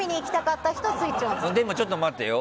でも、ちょっと待てよ。